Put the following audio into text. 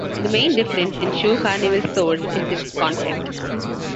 The main difference in Shoe Carnival stores is its concept.